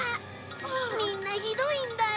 みんなひどいんだよ。